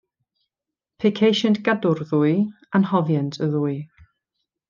Pe ceisient gadw'r ddwy, anghofient y ddwy.